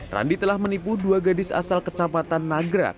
randi telah menipu dua gadis asal kecamatan nagrak